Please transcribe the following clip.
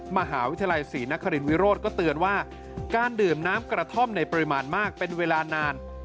มหาวิทยาลัยศรีนครินวิโรธก็เตือนว่าการดื่มน้ำกระท่อมในปริมาณมากเป็นเวลานาน